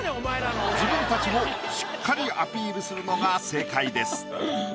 自分たちをしっかりアピールするのが正解です。